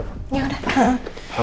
selamat ya ma